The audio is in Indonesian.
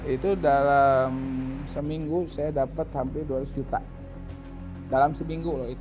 itu dalam seminggu saya dapat hampir dua ratus juta dalam seminggu loh itu dalam seminggu saya dapat hampir dua ratus juta dalam seminggu loh